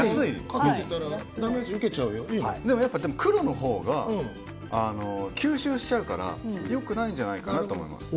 でも黒のほうが吸収しちゃうから良くないんじゃないかなと思います。